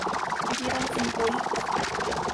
Tuvieron cinco hijos.